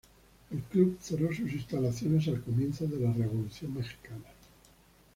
El club cerró sus instalaciones al comienzo de la Revolución Mexicana.